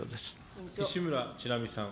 西村智奈美さん。